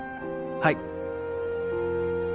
はい。